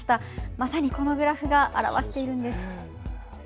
まさにこのグラフが表しているんです。